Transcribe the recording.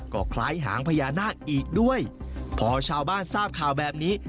ก็คล้ายหางพญานาคอีกด้วยพอชาวบ้านทราบข่าวแบบนี้